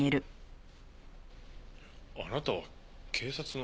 あなたは警察の。